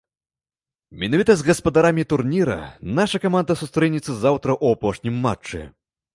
Менавіта з гаспадарамі турніра наша каманда сустрэнецца заўтра ў апошнім матчы.